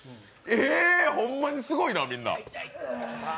えー、ホンマにすごいな、みんな。